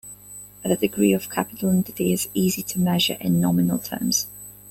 The degree of capital intensity is easy to measure in nominal terms.